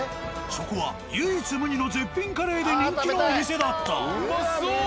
そこは唯一無二の絶品カレーで人気のお店だった。